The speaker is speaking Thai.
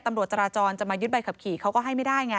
ตำรวจจราจรจะมายึดใบขับขี่เขาก็ให้ไม่ได้ไง